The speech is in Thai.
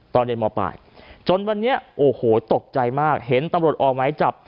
ตอนเรียนมปลายจนวันนี้โอ้โหตกใจมากเห็นตำรวจออกไม้จับ